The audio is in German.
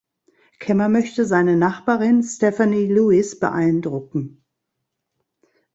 Kemmer möchte seine Nachbarin Stephanie Lewis beeindrucken.